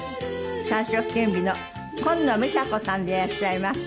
才色兼備の紺野美沙子さんでいらっしゃいます。